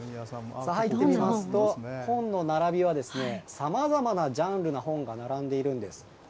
入ってみますと、本の並びはさまざまなジャンルの本が並んでいるんです。